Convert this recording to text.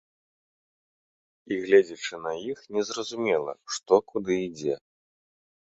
І гледзячы на іх, не зразумела, што куды ідзе.